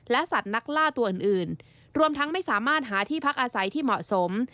สัตว์นักล่าตัวอื่นรวมทั้งไม่สามารถหาที่พักอาศัยที่เหมาะสม